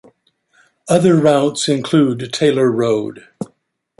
Other routes include Taylor Road.